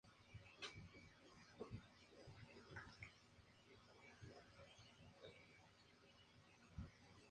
Apresado por los españoles, murió en prisión en fecha indefinida.